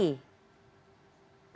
draft pertama itu